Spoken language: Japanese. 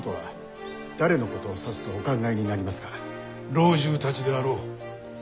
老中たちであろう。